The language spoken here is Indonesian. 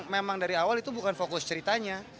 memang dari awal itu bukan fokus ceritanya